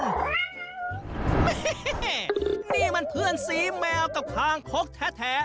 แม่นี่มันเพื่อนสีแมวกับคางคกแท้